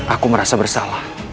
aku merasa bersalah